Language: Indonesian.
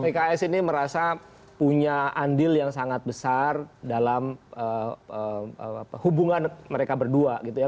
pks ini merasa punya andil yang sangat besar dalam hubungan mereka berdua gitu ya